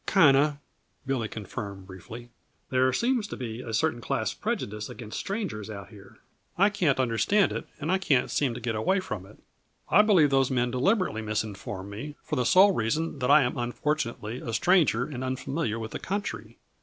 "Kinda," Billy confirmed briefly. "There seems to be a certain class prejudice against strangers, out here. I can't understand it and I can't seem to get away from it. I believe those men deliberately misinformed me, for the sole reason that I am unfortunately a stranger and unfamiliar with the country.